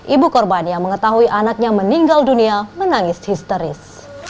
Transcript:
ibu korban yang mengetahui anaknya meninggal dunia menangis histeris